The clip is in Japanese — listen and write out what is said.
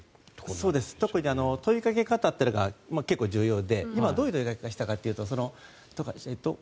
特に問いかけ方が結構重要で今、どういう問いかけをしたかというと。